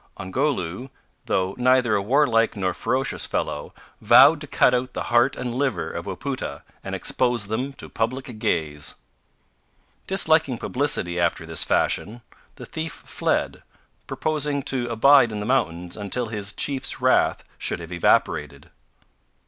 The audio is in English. Ongoloo, though neither a warlike nor ferocious fellow, vowed to cut out the heart and liver of Wapoota, and expose them to public gaze. Disliking publicity after this fashion, the thief fled, purposing to abide in the mountains until his chief's wrath should have evaporated.